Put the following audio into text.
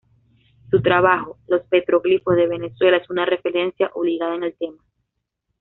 Su trabajo "Los Petroglifos de Venezuela", es una referencia obligada en el tema.